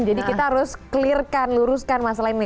jadi kita harus clear kan luruskan masalah ini